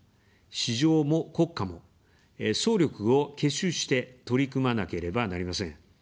「市場も国家も」、総力を結集して取り組まなければなりません。